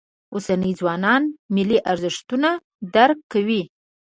اوسني ځوانان ملي ارزښتونه درک کوي.